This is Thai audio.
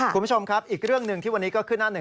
คุณผู้ชมครับอีกเรื่องหนึ่งที่วันนี้ก็ขึ้นหน้าหนึ่ง